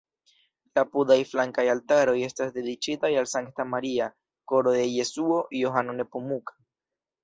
La apudaj flankaj altaroj estas dediĉitaj al Sankta Maria, Koro de Jesuo, Johano Nepomuka.